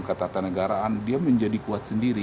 ketatanegaraan dia menjadi kuat sendiri